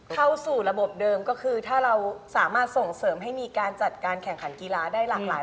เข้าสู่ระบบเดิมก็คือถ้าเราสามารถส่งเสริมให้มีการจัดการแข่งขันกีฬาได้หลากหลาย